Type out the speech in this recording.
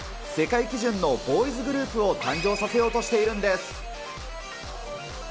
世界基準のボーイズグループを誕生させようとしているんです。